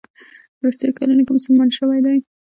په وروستیو کلونو کې مسلمان شوی دی.